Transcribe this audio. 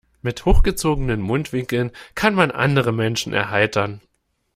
Mit hochgezogenen Mundwinkeln kann man andere Menschen erheitern.